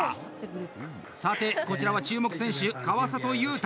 さて、こちらは注目選手川里裕太。